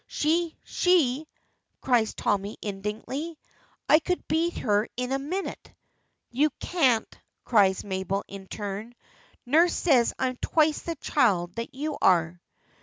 "She! she!" cries Tommy, indignantly; "I could beat her in a minute." "You can't," cries Mabel in turn. "Nurse says I'm twice the child that you are."